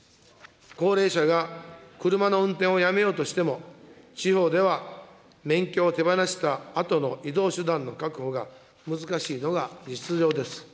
高齢者が車の運転をやめようとしても、地方では免許を手放したあとの移動手段の確保が難しいのが実情です。